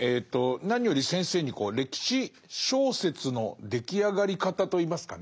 何より先生に歴史小説の出来上がり方といいますかね